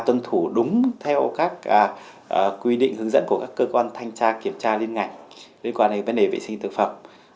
tuân thủ đúng theo các quy định hướng dẫn của các cơ quan thanh tra kiểm tra liên ngành liên quan đến vấn đề vệ sinh thực phẩm